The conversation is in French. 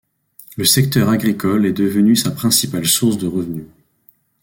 Le secteur agricole est devenu sa principale source de revenus.